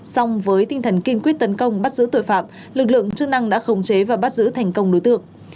xong với tinh thần kiên quyết tấn công bắt giữ tội phạm lực lượng chức năng đã khống chế và bắt giữ thành công đối tượng